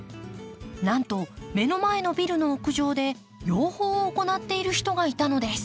なんと目の前のビルの屋上で養蜂を行っている人がいたのです。